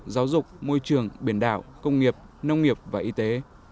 giáo dục môi trường biển đảo công nghiệp nông nghiệp và y tế